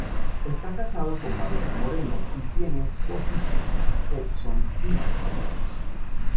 Esta casado con Marlene Moreno y tiene dos hijos: Edson y Marcelo.